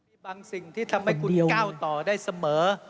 มีบางสิ่งที่ทำให้คุณก้าวต่อได้เสมอ